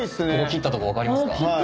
切ったとこ分かりますか？